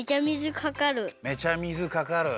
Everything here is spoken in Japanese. めちゃ水かかる。